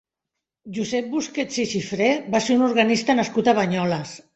Josep Busquets i Xifré va ser un organista nascut a Banyoles.